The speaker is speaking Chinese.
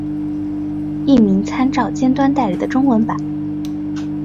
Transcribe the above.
译名参照尖端代理的中文版。